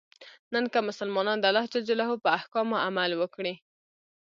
نن که مسلمانان د الله ج په احکامو عمل وکړي.